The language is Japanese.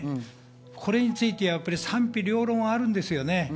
これについて賛否両論あるんですよね。